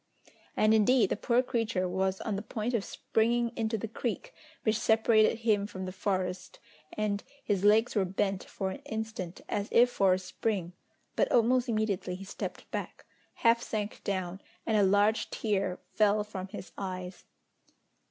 And, indeed, the poor creature was on the point of springing into the creek which separated him from the forest, and his legs were bent for an instant as if for a spring, but almost immediately he stepped back, half sank down, and a large tear fell from his eyes.